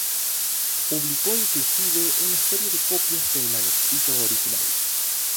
Publicó inclusive una serie de copias del manuscrito original.